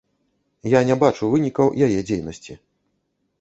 Я не бачу вынікаў яе дзейнасці.